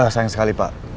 sayang sekali pak